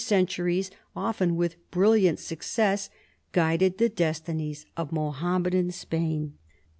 centuries, often with brilliant success, guided the destinies of Mohammedan Spain.